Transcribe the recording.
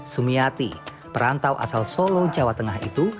sumiati perantau asal solo jawa tengah itu